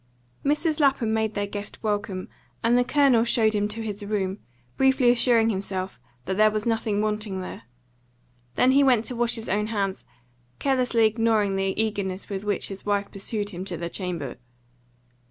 Mrs. Lapham made their guest welcome, and the Colonel showed him to his room, briefly assuring himself that there was nothing wanting there. Then he went to wash his own hands, carelessly ignoring the eagerness with which his wife pursued him to their chamber.